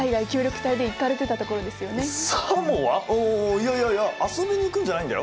あいやいやいや遊びに行くんじゃないんだよ。